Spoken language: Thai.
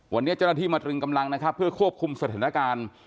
วันนี้เจ้าหน้าที่มาตรึงกำลังนะครับเพื่อควบคุมสถานการณ์